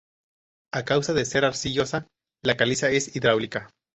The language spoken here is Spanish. A causa de ser arcillosa, la caliza es hidráulica.